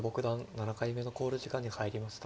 ７回目の考慮時間に入りました。